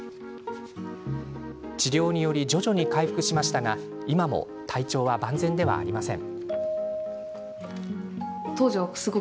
治療により徐々に回復しましたが今も体調は万全ではありません。